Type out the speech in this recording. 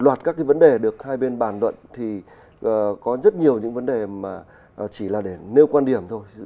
đoạt các cái vấn đề được hai bên bàn luận thì có rất nhiều những vấn đề mà chỉ là để nêu quan điểm thôi